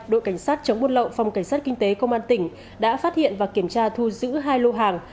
đội cảnh sát chống buôn lậu phòng cảnh sát kinh tế công an tỉnh đã phát hiện và kiểm tra thu giữ hai lô hàng